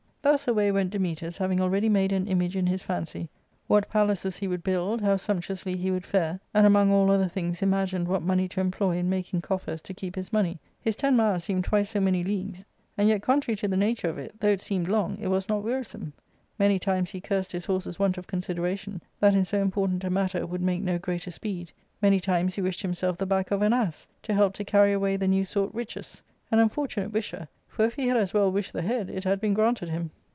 Thus away went Dametas, having already made an image in his fancy what palaces he would build, how sumptuously he would fare, and among all other things imagined what money to employ in making coffers to keep his money ; his ten mile seemed twice so many leagues, and yet, contrary to the nature of it, though it seemed long, it was not wearisome. Many times he cursed his horse's want of consideration, that in so important a matter would make no greater speed ; many times he wished himself the back of an ass, to help to carry away the new sought riches : an unfor tunate wisher ; for, if he had a» well wished the head, it had been granted him.